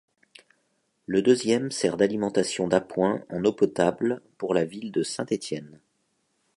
Le deuxième sert d'alimentation d'appoint en eau potable pour la ville de Saint-Étienne.